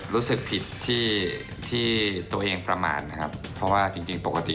รู้สึกผิดที่ที่ตัวเองประมาณนะครับเพราะว่าจริงปกติ